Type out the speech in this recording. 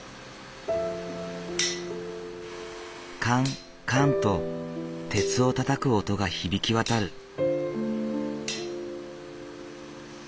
カンカンと鉄をたたく音が響き渡る。